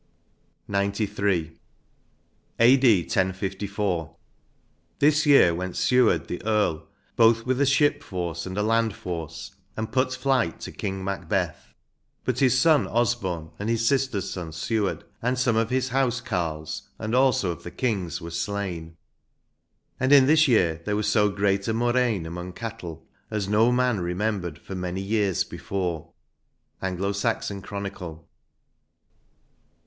186 XCIII. A.D. 1054. This year went Seward the Earl both with a ship force and a land force^ and put to flight King Macbeth ;... but his son Osbom and his sister's son Seward, and some of his house carls and also of the King's were slain. "' And in this year there was so great a murrain among cattle as no man remembered for many years before." — Anglo Saxon Chronicle.